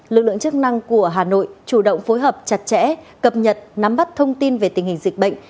lực lượng chức năng của hà nội chủ động phối hợp chặt chẽ cập nhật nắm bắt thông tin về tình hình dịch bệnh